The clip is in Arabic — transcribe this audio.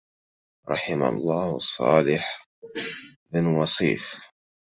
رحم الله صالح بن وصيف